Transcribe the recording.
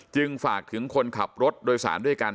ฝากถึงคนขับรถโดยสารด้วยกัน